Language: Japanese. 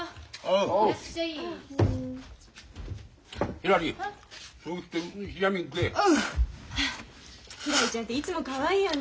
ひらりちゃんっていつもかわいいよね。